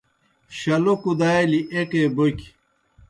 شلو کُدالیْ ایکے بوکیْ